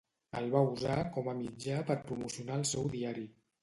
El va usar com a mitjà per promocionar el seu diari.